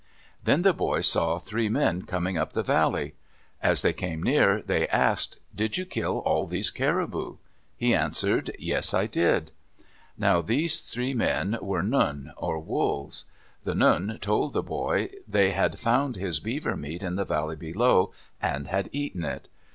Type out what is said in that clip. Then the boy saw three men coming up the valley. As they came near, they asked, "Did you kill all these caribou?" He answered, "Yes, I did." Now these three men were Nun, or wolves. The Nun told the boy they had found his beaver meat in the valley below, and had eaten it.